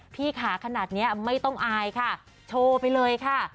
พี่ขาขนาดนี้ไม่ต้องอายค่ะโชว์ไปเลยค่ะ